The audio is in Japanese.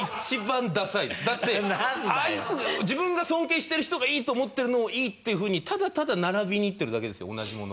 だってあいつ自分が尊敬してる人がいいと思ってるのをいいっていうふうにただただ並びに行ってるだけですよ同じもの。